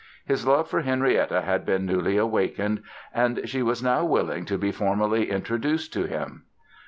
His love for Henrietta had been newly awakened; and she was now willing to be formally introduced to him.